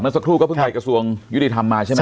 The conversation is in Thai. สักครู่ก็เพิ่งไปกระทรวงยุติธรรมมาใช่ไหม